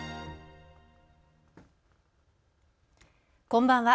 こんばんは。